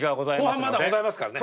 後半まだございますからね。